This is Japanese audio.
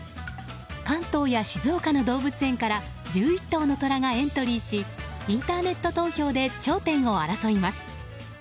関東や静岡の動物園から１１頭の虎がエントリーしインターネット投票で頂点を争います。